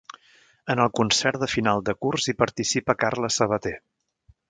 En el concert de final de curs hi participa Carles Sabater.